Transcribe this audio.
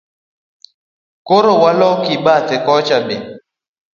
Koro waloki bathe kocha be?